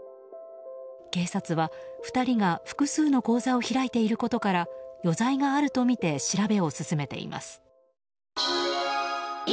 警察は、２人が複数の口座を開いていることから余罪があるとみて調べを進めています。